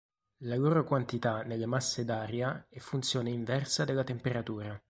La loro quantità nelle masse d'aria è funzione inversa della temperatura.